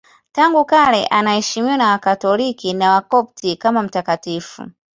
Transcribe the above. Tangu kale anaheshimiwa na Wakatoliki na Wakopti kama mtakatifu.